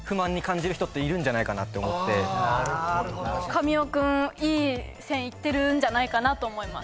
神尾君いい線いってるんじゃないかなと思います。